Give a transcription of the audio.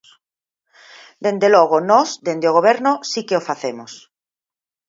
Dende logo, nós, dende o Goberno, si que o facemos.